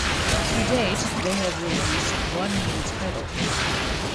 To date, they have released one new title.